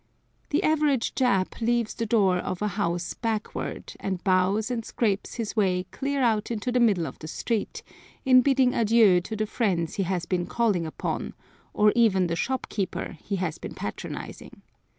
The average Jap leaves the door of a house backward, and bows and scrapes his way clear out into the middle of the street, in bidding adieu to the friends he has been calling upon, or even the shopkeeper he has been patronizing.